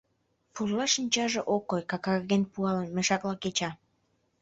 Пурла шинчаже ок кой, какарген пуалын, мешакла кеча.